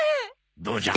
どうじゃ！